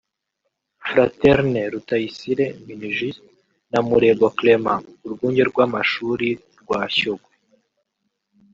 Fraterne Rutayisire (Minijust) na Murego Clement (Urwunge r’amashuri rwa Shyogwe)